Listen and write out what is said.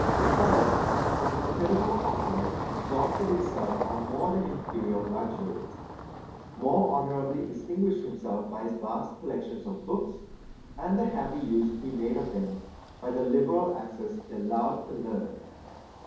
Lucullus, whose incredible opulence exhausted itself on more than imperial luxuries, more honourably distinguished himself by his vast collections of books, and the happy use he made of them by the liberal access he allowed the learned.